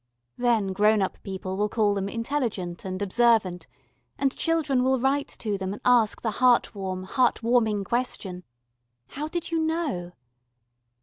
Then grown up people will call them intelligent and observant, and children will write to them and ask the heart warm, heart warming question, "How did you know?"